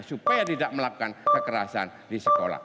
supaya tidak melakukan kekerasan di sekolah